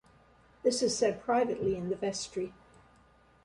This is said privately in the vestry.